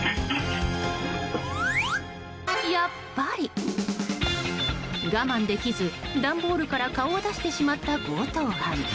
やっぱり我慢できず段ボールから顔を出してしまった強盗犯。